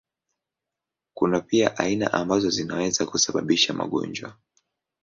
Kuna pia aina ambazo zinaweza kusababisha magonjwa.